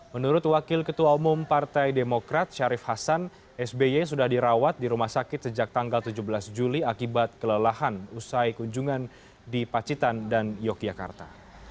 menurut wakil ketua umum partai demokrat syarif hasan sby sudah dirawat di rumah sakit sejak tanggal tujuh belas juli akibat kelelahan usai kunjungan di pacitan dan yogyakarta